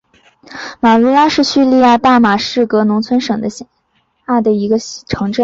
马卢拉是叙利亚大马士革农村省下的一个城镇。